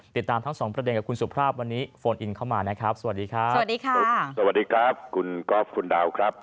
ติดตามทั้งสองสวัสดีครับ